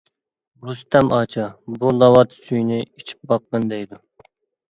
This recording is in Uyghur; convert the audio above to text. رۇستەم:-ئاچا بۇ ناۋات سۈيىنى ئىچىپ باققىن دەيدۇ.